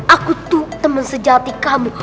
aku tuh teman sejati kamu